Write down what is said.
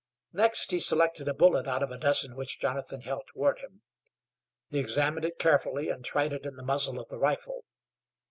Next he selected a bullet out of a dozen which Jonathan held toward him. He examined it carefully and tried it in the muzzle of the rifle.